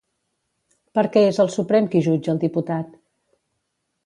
Per què és el Suprem qui jutja el diputat?